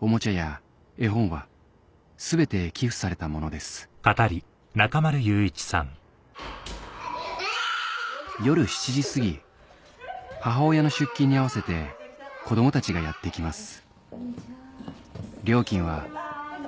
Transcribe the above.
おもちゃや絵本は全て寄付されたものです夜７時すぎ母親の出勤に合わせて子供たちがやって来ます